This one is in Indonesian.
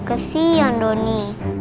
ke si andoni